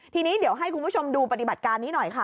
ทีนี้เดี๋ยวให้คุณผู้ชมดูปฏิบัติการนี้หน่อยค่ะ